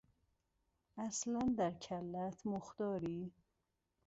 اصلا در کلهات مخ داری؟